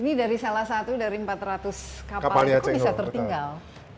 ini dari salah satu dari empat ratus kapal itu bisa tertinggal